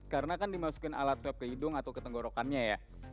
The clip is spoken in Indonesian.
karena kan dimasukin alat swep ke hidung atau ke tenggorokannya ya